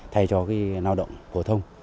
thay cho cái lao động hổ thông